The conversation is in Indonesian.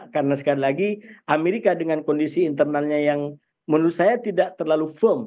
karena sekali lagi amerika dengan kondisi internalnya yang menurut saya tidak terlalu firm